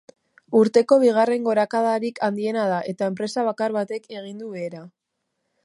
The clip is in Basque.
Urteko bigarren gorakadarik handiena da, eta enpresa bakar batek egin du behera.